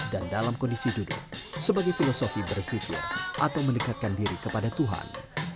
dan dalam kondisi duduk sebagai filosofi bersifir atau mendekatkan diri kepada tuhan